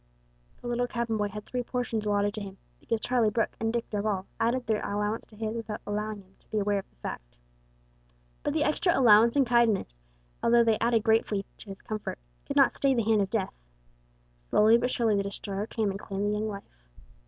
The little cabin boy had three portions allotted to him, because Charlie Brooke and Dick Darvall added their allowance to his without allowing him to be aware of the fact. But the extra allowance and kindness, although they added greatly to his comfort, could not stay the hand of Death. Slowly but surely the Destroyer came and claimed the young life.